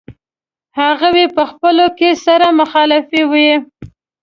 هغوی په خپلو کې سره مخالفې وې.